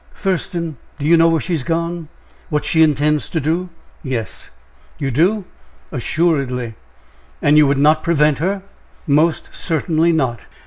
"Thurston, do you know where she has gone? what she intends to do?" "Yes." "You do?" "Assuredly." "And you would not prevent her?" "Most certainly not."